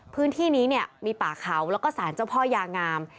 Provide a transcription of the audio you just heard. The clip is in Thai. พื้นที่นี้เนี่ยมีป่าเขาแล้วก็สารเจ้าพ่อยางาม